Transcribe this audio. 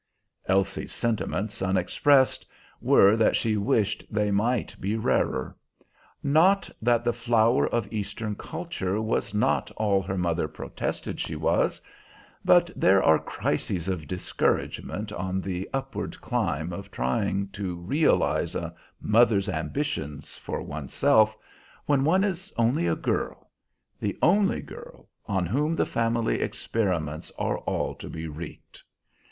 Elsie's sentiments, unexpressed, were that she wished they might be rarer. Not that the flower of Eastern culture was not all her mother protested she was; but there are crises of discouragement on the upward climb of trying to realize a mother's ambitions for one's self, when one is only a girl the only girl, on whom the family experiments are all to be wreaked.